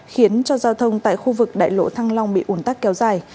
khiến cho giao thông tại khu vực đại lộ thăng long bị ủn tắc kéo dài